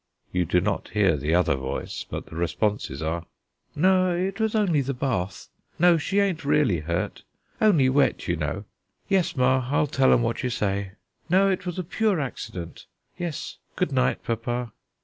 You do not hear the other voice, but the responses are: "No, it was only the bath no, she ain't really hurt, only wet, you know. Yes, ma, I'll tell 'em what you say. No, it was a pure accident. Yes; good night, papa."